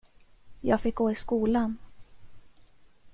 Jag fick gå i skolan.